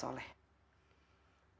karena merasa soleh